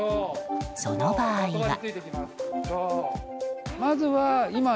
その場合は。